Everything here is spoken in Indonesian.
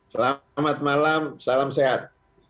selamat malam salam sehat